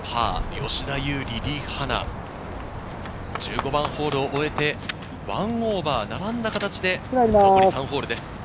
吉田優利、リ・ハナ、１５番ホールを終えて、＋１、並んだ形で残り３ホールです。